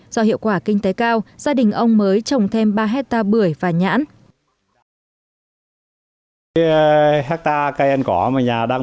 do hiệu quả kinh tế cao gia đình ông mới trồng thêm ba hectare bưởi và nhãn